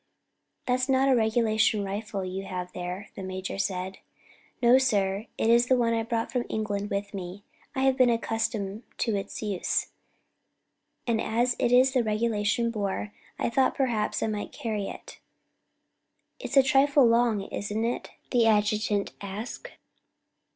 "That's not a regulation rifle you have got there," the major said. "No, sir, it is one I brought from England with me. I have been accustomed to its use, and as it is the regulation bore, I thought perhaps I might carry it." "It's a trifle long, isn't it?" the adjutant asked.